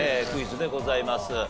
クイズでございます。